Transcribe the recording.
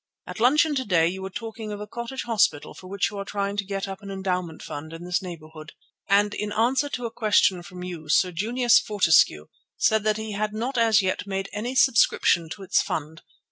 At luncheon to day you were talking of a Cottage Hospital for which you are trying to get up an endowment fund in this neighbourhood, and in answer to a question from you Sir Junius Fortescue said that he had not as yet made any subscription to its fund.